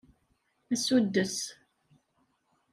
Asuddes.